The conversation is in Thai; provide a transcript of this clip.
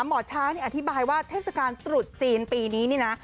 หมอช้างอธิบายว่าเทศกาลตรุษจีนปีนี้นี่นะ